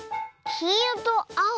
きいろとあお？